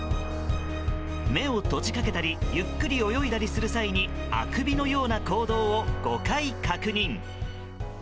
目を閉じかけたりゆっくり泳いだりする際にあくびのような行動を５回確認。